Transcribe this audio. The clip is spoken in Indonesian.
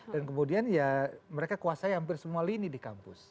dan kemudian ya mereka kuasai hampir semua lini di kampus